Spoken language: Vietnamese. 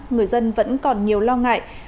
người dân vẫn còn nhiều lo ngại